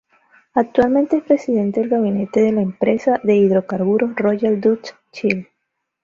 Actualmente es presidente del gabinete de la empresa de hidrocarburos Royal Dutch Shell.